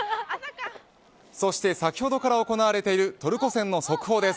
そして先ほどから行われているトルコ戦の速報です。